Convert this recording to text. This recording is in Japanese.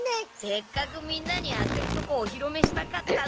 せっかくみんなに当てるとこおひろめしたかったのに。